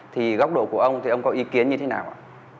thì góc độ của ông thì ông có ý kiến như thế nào ạ